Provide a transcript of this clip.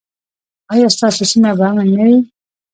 ایا ستاسو سیمه به امن نه وي؟